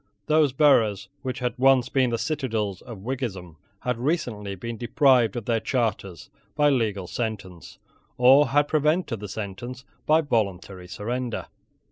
Those boroughs which had once been the citadels of Whiggism had recently been deprived of their charters by legal sentence, or had prevented the sentence by voluntary surrender.